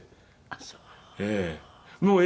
あっそう。